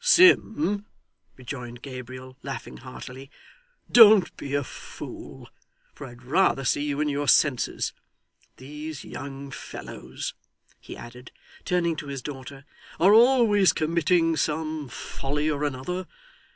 'Sim,' rejoined Gabriel, laughing heartily. 'Don't be a fool, for I'd rather see you in your senses. These young fellows,' he added, turning to his daughter, 'are always committing some folly or another.